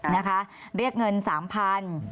นะคะเรียกเงิน๓๐๐บาท